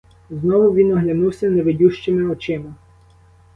Знову він оглянувся невидющими очима.